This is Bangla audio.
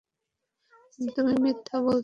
তুমি মিথ্যা বলছ, ইলিয়াস।